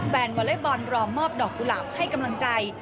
แฟนเวลบอลรอมอบดอกดุลาปให้กำลังใจ